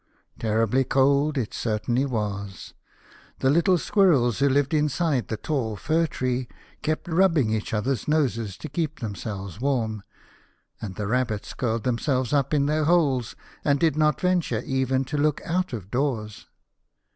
Terribly cold it certainly was. The little Squirrels, who lived inside the tall fir tree, kept rubbing each other's noses to keep them selves warm, and the Rabbits curled them selves up in their holes, and did not venture even to look out of doors.